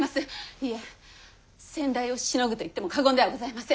いえ先代をしのぐと言っても過言ではございません！